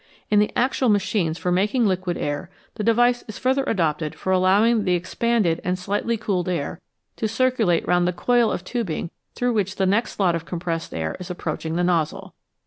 In the actual machines for making liquid air the device is further adopted of allow ing the expanded and slightly cooled air to circulate round the coil of tubing through which the next lot of compressed air is approaching the nozzle.